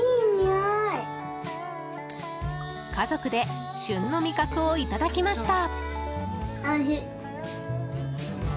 家族で旬の味覚をいただきました。